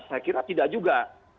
saya kira tidak juga